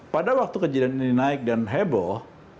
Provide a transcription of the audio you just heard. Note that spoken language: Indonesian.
pada waktu kejadian ini naik dan heboh